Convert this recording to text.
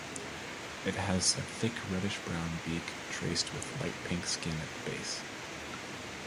It has a thick reddish-brown beak, traced with light pink skin at the base.